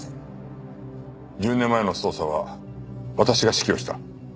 １０年前の捜査は私が指揮をした。